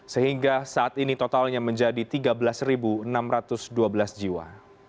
sehingga saat ini totalnya menjadi tiga belas enam ratus dua belas jiwa